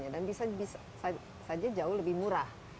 dan bisa saja jauh lebih murah